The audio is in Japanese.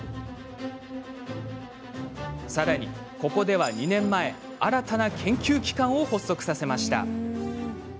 さらに、ここでは２年前新たな研究機関を発足させました。